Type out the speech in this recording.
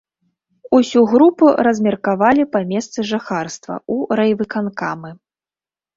Усю групу размеркавалі па месцы жыхарства ў райвыканкамы.